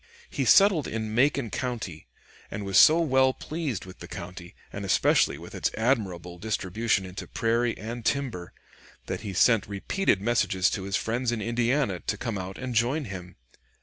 He settled in Macon County, and was so well pleased with the country, and especially with its admirable distribution into prairie and timber, that he sent repeated messages to his friends in Indiana to come out and join him.